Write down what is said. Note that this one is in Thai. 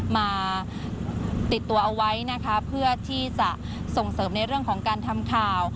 มาติดตัวเอาไว้นะคะเพื่อที่จะส่งเสริมในเรื่องของการทำข่าว